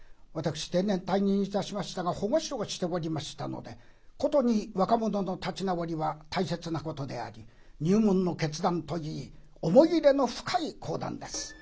私定年退任いたしましたが保護司をしておりましたので殊に若者の立ち直りは大切なことであり入門の決断といい思い入れの深い講談です。